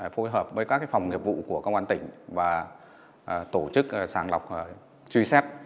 phối hợp với các phòng nghiệp vụ của công an tỉnh và tổ chức sàng lọc truy xét